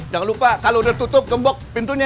jangan lupa kalau udah tutup gembok pintunya